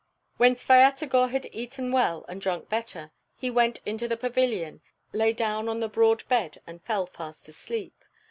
When Svyatogor had eaten well and drunk better, he went into the pavilion, lay down on the broad bed and fell fast asleep.